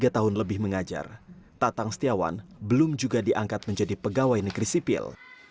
tiga tahun lebih mengajar tatang setiawan belum juga diangkat menjadi pegawai negeri sipil